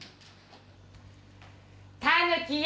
タヌキや。